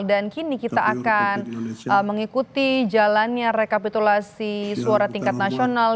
kini kita akan mengikuti jalannya rekapitulasi suara tingkat nasional